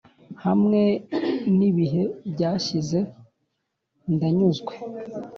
hamwe nibihe byashize ndanyuzwe